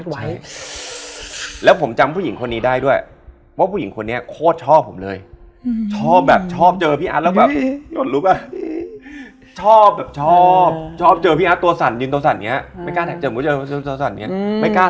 หลังจากนั้นก็ไปทำสังฆาตให้เขา